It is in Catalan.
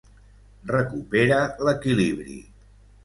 Recupera l'equilibri.